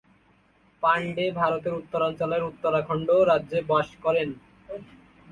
পাণ্ডে ভারতের উত্তরাঞ্চলের উত্তরাখণ্ড রাজ্যে বাস করেন।